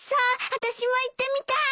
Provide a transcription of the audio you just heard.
私も行ってみたい。